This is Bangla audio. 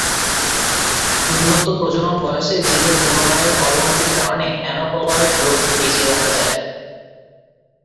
উন্নত প্রজনন বয়সে জিনের গুণমানের অবনতির কারণে অ্যানোপলয়েড রোগ বেশি দেখা যায়।